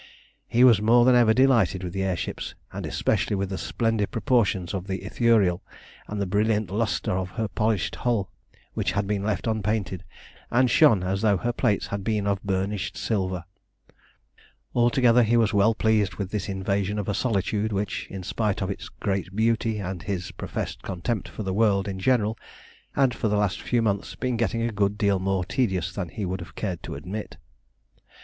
He was more than ever delighted with the air ships, and especially with the splendid proportions of the Ithuriel, and the brilliant lustre of her polished hull, which had been left unpainted, and shone as though her plates had been of burnished silver. Altogether he was well pleased with this invasion of a solitude which, in spite of its great beauty and his professed contempt for the world in general, had for the last few months been getting a good deal more tedious than he would have cared to admit.